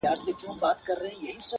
سر یې کښته ځړولی وو تنها وو-